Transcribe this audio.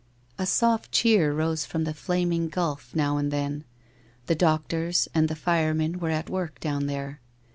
A soft cheer rose from the flaming gulf now and then. The doctors and the firemen were at work down there.